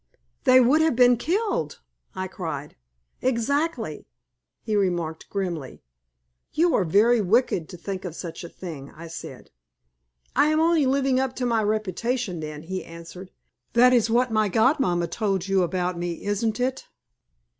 "They would have been killed!" I cried. "Exactly," he remarked, grimly. "You are very wicked to think of such a thing," I said. "I am only living up to my reputation, then," he answered. "That is what my godmamma told you about me, isn't it?"